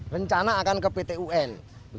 rencana akan ke ptun